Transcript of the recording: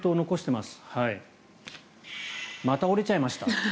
また折れちゃいました。